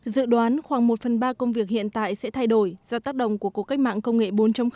dự đoán khoảng một phần ba công việc hiện tại sẽ thay đổi do tác động của cuộc cách mạng công nghệ bốn